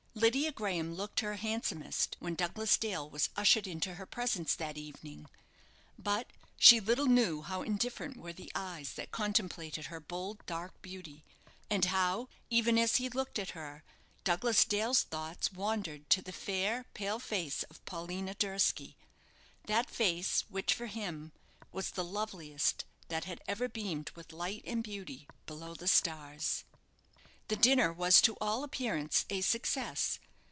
Lydia Graham looked her handsomest when Douglas Dale was ushered into her presence that evening; but she little knew how indifferent were the eyes that contemplated her bold, dark beauty; and how, even as he looked at her, Douglas Dale's thoughts wandered to the fair, pale face of Paulina Durski that face, which for him was the loveliest that had ever beamed with light and beauty below the stars. The dinner was to all appearance a success.